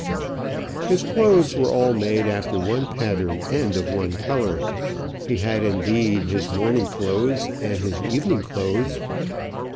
His clothes were all made after one pattern and of one colour. He had, indeed, his morning clothes and his evening clothes.